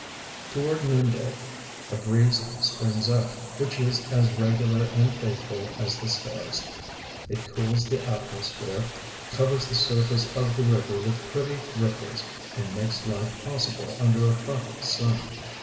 Toward noonday a breeze springs up, which is as regular and faithful as the stars ; it cools the atmosphere, covers the surface of the river with pretty ripples, and makes life possible under a tropic sun.